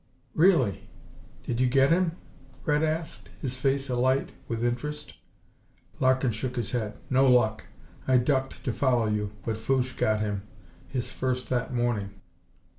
"Really? Did you get him?" Red asked, his face alight with interest. Larkin shook his head. "No luck. I ducked to follow you. But Fouche got him his first that morning."